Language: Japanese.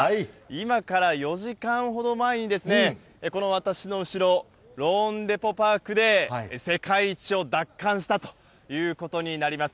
今から４時間ほど前に、この私の後ろ、ローンデポ・パークで、世界一を奪還したということになります。